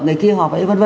người kia họp ấy v v